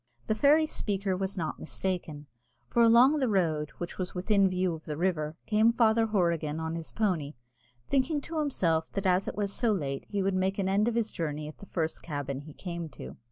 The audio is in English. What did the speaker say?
The fairy speaker was not mistaken; for along the road, which was within view of the river, came Father Horrigan on his pony, thinking to himself that as it was so late he would make an end of his journey at the first cabin he came to.